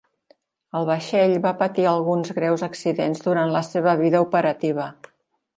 El vaixell va patir alguns greus accidents durant la seva vida operativa.